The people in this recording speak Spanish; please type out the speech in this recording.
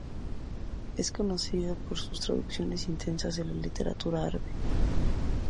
Es conocido por sus traducciones extensas de la literatura árabe.